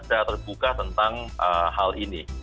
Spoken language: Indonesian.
secara terbuka tentang hal ini